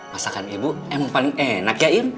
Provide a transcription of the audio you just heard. masakan ibu emang paling enak ya im